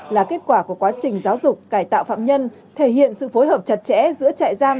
là kết quả của quá trình giáo dục cải tạo phạm nhân thể hiện sự phối hợp chặt chẽ giữa trại giam